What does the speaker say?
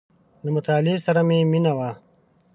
• له مطالعې سره مې مینه وه.